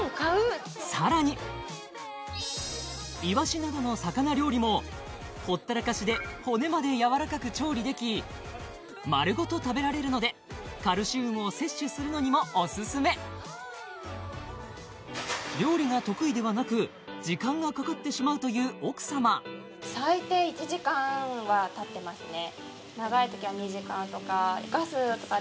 さらにイワシなどの魚料理もほったらかしで骨まで軟らかく調理でき丸ごと食べられるのでカルシウムを摂取するのにもオススメ料理が得意ではなく時間がかかってしまうという奥様になっちゃいますね